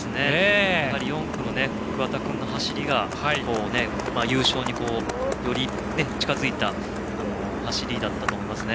４区の桑田君の走りが優勝により近づいた走りだったと思いますね。